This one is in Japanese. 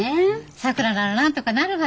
さくらならなんとかなるわよ。